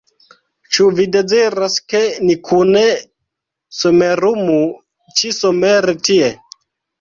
Ĉu vi deziras, ke ni kune somerumu ĉi-somere tie?